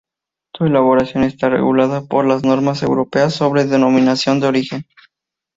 Su elaboración está regulada por las normas europeas sobre denominación de origen.